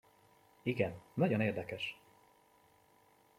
Igen, nagyon érdekes!